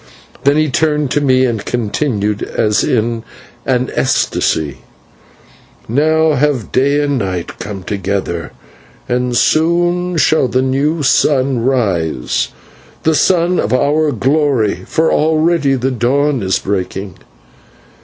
Then he turned to me and continued as in an ecstasy: "Now have Day and Night come together, and soon shall the new sun rise, the sun of our glory, for already the dawn is breaking.